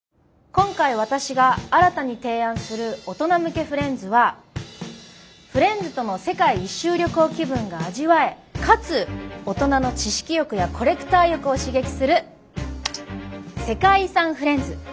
今回私が新たに提案する大人向けフレンズはフレンズとの世界一周旅行気分が味わえかつ大人の知識欲やコレクター欲を刺激する世界遺産フレンズ。